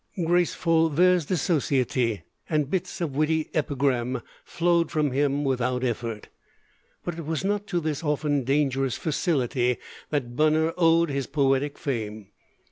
Graceful vers de société and bits of witty epigram flowed from him without effort. But it was not to this often dangerous facility that Bunner owed his poetic fame.